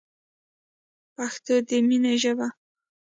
پښتو دی مینی ژبه